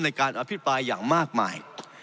ในการอภิปรายอย่างมากมาย